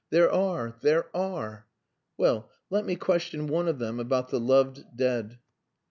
"There are! There are! Well, let me question one of them about the loved dead."